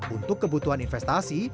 untuk kebutuhan investasi